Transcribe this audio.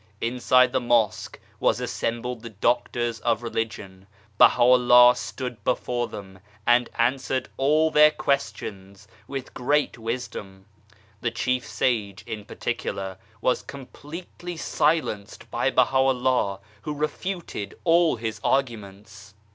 Inside the Mosque were assembled the doctors of Religion. Baha Vllah stood before them, and answered all their questions with great wisdom. The chief sage, in particular, was completely silenced by Baha'u'llah, who refuted all his arguments.